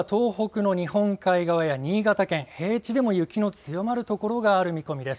今後も数時間は東北の日本海側や新潟県、平地でも雪の強まるところがある見込みです。